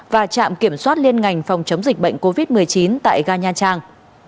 và trạm kiểm soát liên ngành phòng chống dịch bệnh covid một mươi chín tại ga nha trang